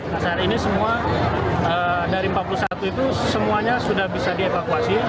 nah saat ini semua dari empat puluh satu itu semuanya sudah bisa dievakuasi